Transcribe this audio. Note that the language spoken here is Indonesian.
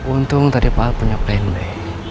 untung tadi pak punya plan baik